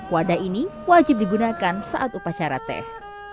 wadah ini wajib digunakan saat upacara teh